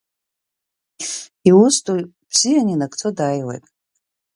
Иус ду бзианы инагӡо дааиуеит.